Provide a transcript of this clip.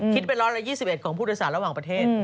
คิดเป็น๑๒๑ของผู้โดยสารระหว่างประเทศ